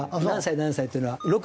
何歳何歳っていうのは。